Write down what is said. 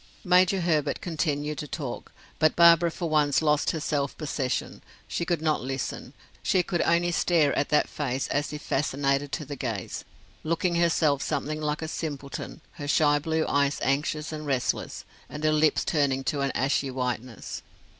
Major Herbert continued to talk, but Barbara for once lost her self possession; she could not listen, she could only stare at that face as if fascinated to the gaze, looking herself something like a simpleton, her shy blue eyes anxious and restless, and her lips turning to an ashy whiteness.